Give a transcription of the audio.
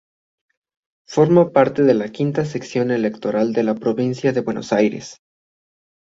Forma parte de la Quinta Sección Electoral de la Provincia de Buenos Aires.